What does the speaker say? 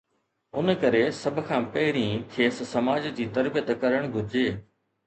ان ڪري سڀ کان پهرين کيس سماج جي تربيت ڪرڻ گهرجي.